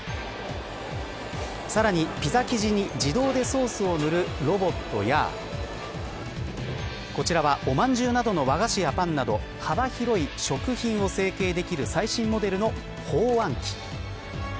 さらに、ピザ生地に自動でソースを塗るロボットやこちらは、おまんじゅうなどの和菓子やパンなど幅広い食品を成型できる最新モデルの包あん機。